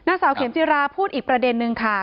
นางสาวเข็มจิราพูดอีกประเด็นนึงค่ะ